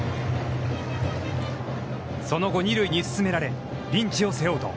その後、二塁に進められ、ピンチを背負う。